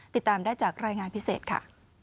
ติดตามได้จากรายงานพิเศษค่ะ